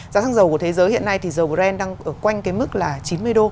giá xăng dầu của thế giới hiện nay thì dầu brent đang ở quanh cái mức là chín mươi đô